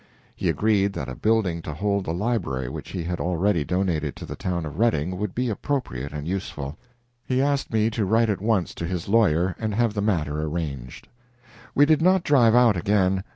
He agreed that a building to hold the library which he had already donated to the town of Redding would be appropriate and useful. He asked me to write at once to his lawyer and have the matter arranged. We did not drive out again.